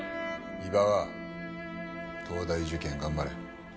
伊庭は東大受験頑張れ。